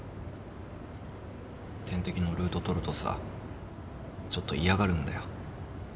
点滴のルートとるとさちょっと嫌がるんだよ。